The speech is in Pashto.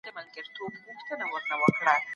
جمعه د رخصتۍ پر ځای د یکشنبې ورځ ټاکل شوه.